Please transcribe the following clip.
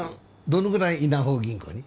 どのぐらいいなほ銀行に？